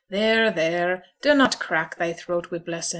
'Theere, theere, dunnot crack thy throat wi' blessin'.